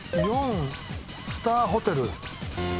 ４スターホテル。